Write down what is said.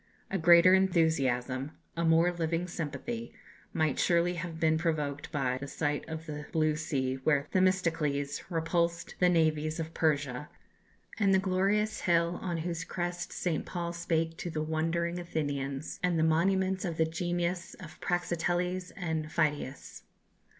A greater enthusiasm, a more living sympathy, might surely have been provoked by the sight of the blue sea where Themistocles repulsed the navies of Persia, and the glorious hill on whose crest St. Paul spake to the wondering Athenians, and the monuments of the genius of Praxiteles and Phidias.